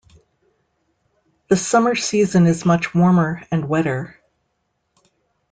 The summer season is much warmer and wetter.